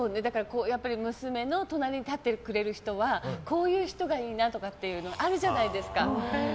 娘の隣に立ってくれる人はこういう人がいいなっていうのがあるじゃないですか。